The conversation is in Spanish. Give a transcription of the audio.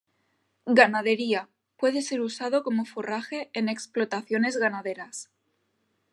Ganadería: Puede ser usado como forraje en explotaciones ganaderas.